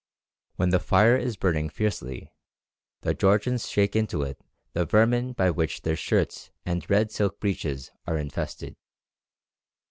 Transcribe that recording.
When the fire is burning fiercely, the Georgians shake into it the vermin by which their shirts and red silk breeches are infested.